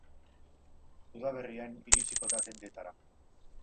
Udaberrian iritsiko da dendetara.